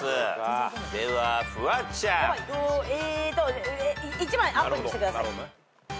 えっと１番アップにしてください。